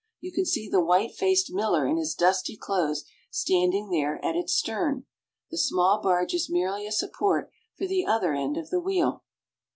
You can see the white faced miller in his dusty clothes standing there at its stern. The small barge is merely a support for the other end of the wheel.